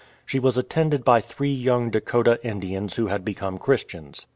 She was attended by three young Dakota Indians who had become Christians.